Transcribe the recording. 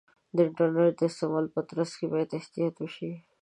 د انټرنیټ د استعمال په ترڅ کې باید احتیاط وشي.